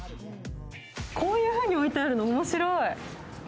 こういうふうに置いてあるの面白い。